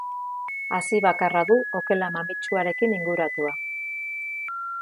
Hazi bakarra du okela mamitsuarekin inguratua.